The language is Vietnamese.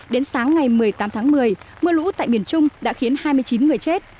đến sáng ngày một mươi tám tháng một mươi mưa lũ tại miền trung đã khiến hai mươi chín người chết